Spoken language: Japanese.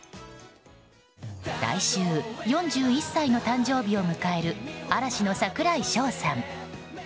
来週４１歳の誕生日を迎える嵐の櫻井翔さん。